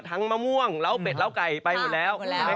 ทั้งมะม่วงแล้วเป็ดเจ้าใก่ไปหมดแล้ว